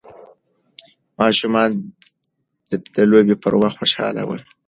ماشومان د لوبې په وخت خوشحاله ول.